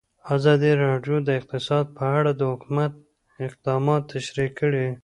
ازادي راډیو د اقتصاد په اړه د حکومت اقدامات تشریح کړي.